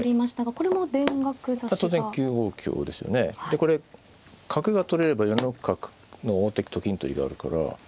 これ角が取れれば４六角の王手と金取りがあるから。